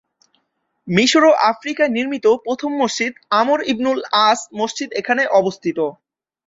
মিশর ও আফ্রিকায় নির্মিত প্রথম মসজিদ আমর ইবনুল আস মসজিদ এখানে অবস্থিত।